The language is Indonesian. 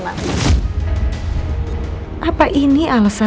mereka tanya tanya soal lipstick